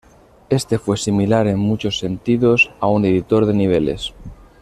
Este fue similar en muchos sentidos a un editor de niveles.